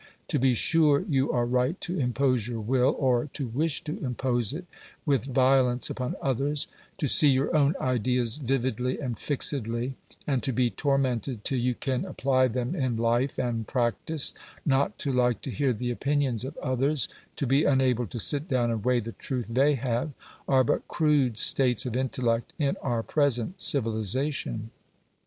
To be sure you are right to impose your will, or to wish to impose it, with violence upon others; to see your own ideas vividly and fixedly, and to be tormented till you can apply them in life and practice, not to like to hear the opinions of others, to be unable to sit down and weigh the truth they have, are but crude states of intellect in our present civilisation.